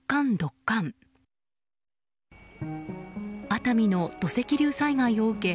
熱海の土石流災害を受け